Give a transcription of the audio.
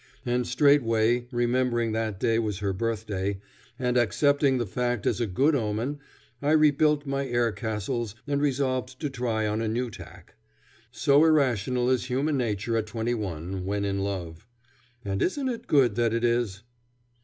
And straightway, remembering that the day was her birthday, and accepting the fact as a good omen, I rebuilt my air castles and resolved to try on a new tack. So irrational is human nature at twenty one, when in love. And isn't it good that it is?